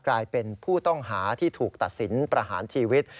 กลายเป็นผู้ต้องหาที่ถูกตัดสินประหารชีวิต